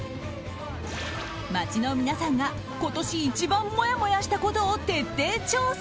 街の皆さんが、今年一番もやもやしたことを徹底調査。